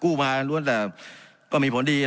การปรับปรุงทางพื้นฐานสนามบิน